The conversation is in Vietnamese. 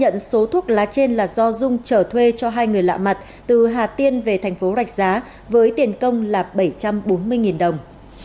nhận số thuốc lá trên là do dung chở thuê cho hai người lạ mặt từ hà tiên về thành phố rạch giá với tiền công là bảy trăm bốn mươi đồng